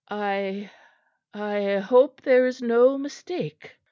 I I hope there is no mistake."